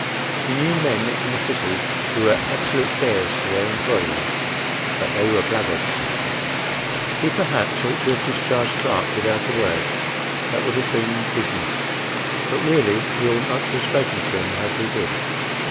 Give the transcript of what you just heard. He knew men in the city who were absolute bears to their employees; but they were blackguards. He, perhaps, ought to have discharged Clark without a word; that would have been "business;" but really he ought not to have spoken to him as he did.